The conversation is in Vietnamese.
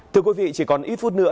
thưa quý vị chỉ còn ít phút nữa